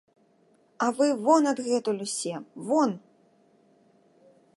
А вы вон адгэтуль усе, вон!